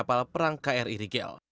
kapal perang kri rijel